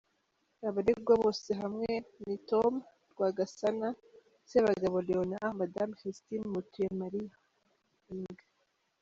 Abaregwa bose hamwe ni Tom Rwagasana, Sebagabo Leonard, Mme Christine Mutuyemariya, , Eng.